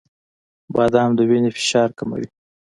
• بادام د وینې فشار کموي.